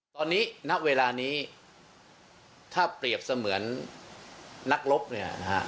ตอนนี้ณเวลานี้ถ้าเปรียบเสมือนนักรบเนี่ยนะฮะ